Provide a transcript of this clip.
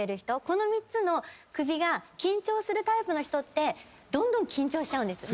この３つの首が緊張するタイプの人ってどんどん緊張しちゃうんです。